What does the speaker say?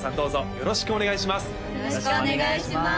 よろしくお願いします